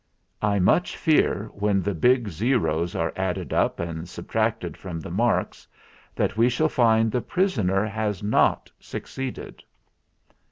I much fear, when the big O's are added up and subtracted from the marks, that we shall find the prisoner has not suc ceeded."